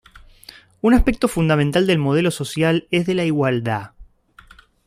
Un aspecto fundamental del modelo social es de la igualdad.